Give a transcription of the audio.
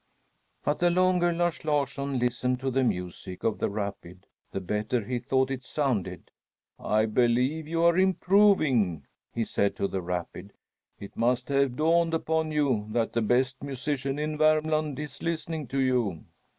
But the longer Lars Larsson listened to the music of the rapid, the better he thought it sounded. "I believe you are improving," he said to the rapid. "It must have dawned upon you that the best musician in Vermland is listening to you!"